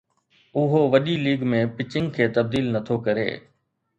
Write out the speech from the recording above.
اهو وڏي league ۾ pitching کي تبديل نٿو ڪري